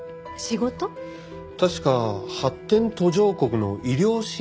確か発展途上国の医療支援ですね。